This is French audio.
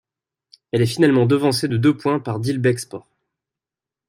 Il est finalement devancé de deux points par Dilbeek Sport.